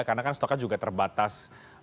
karena kan stoknya juga terbatas